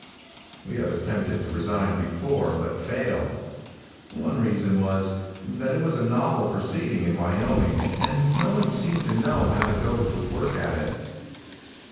We have attempted to resign before, but failed. One reason was, that it was a novel proceeding in Wyoming, and no one seemed to know how to go to work at it.